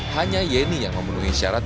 hanya yeni yang memenuhi syarat